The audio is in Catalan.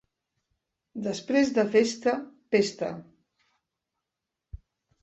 Després de festa, pesta.